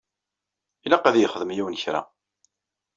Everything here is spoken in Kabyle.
Ilaq ad yexdem yiwen kra.